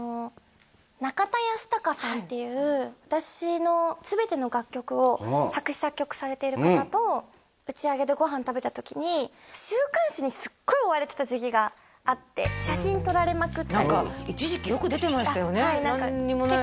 中田ヤスタカさんっていう私の全ての楽曲を作詞作曲されている方と打ち上げでご飯食べた時に週刊誌にすごい追われてた時期があって写真撮られまくったり一時期よく出てましたよね